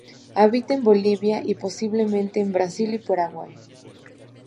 Habita en Bolivia y, posiblemente en Brasil y Paraguay.